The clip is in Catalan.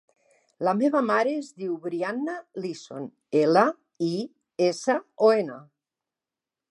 La meva mare es diu Brianna Lison: ela, i, essa, o, ena.